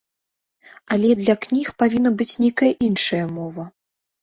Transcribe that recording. Але для кніг павінна быць нейкая іншая мова.